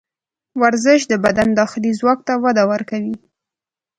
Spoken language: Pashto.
ورزش د بدن داخلي ځواک ته وده ورکوي.